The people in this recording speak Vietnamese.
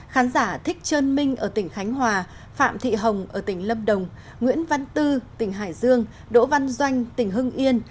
khán giả thích trơn minh ở tỉnh khánh hòa phạm thị hồng ở tỉnh lâm đồng nguyễn văn tư tỉnh hải dương đỗ văn doanh tỉnh hưng yên